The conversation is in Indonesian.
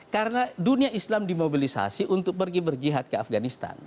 karena dunia islam dimobilisasi untuk pergi berjihad ke afghanistan